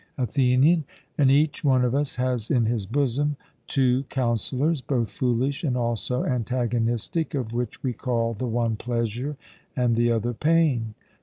ATHENIAN: And each one of us has in his bosom two counsellors, both foolish and also antagonistic; of which we call the one pleasure, and the other pain.